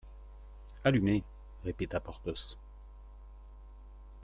Allumez, répéta Porthos.